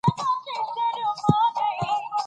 خپله روغتیا لومړیتوب وګڼئ.